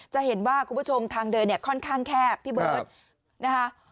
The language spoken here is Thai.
จะเห็นว่าคุณผู้ชมทางเดินเนี่ยค่อนข้างแคบพี่เบิร์ตนะคะ